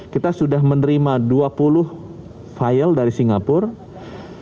kita sudah menerima dua puluh file dari singapura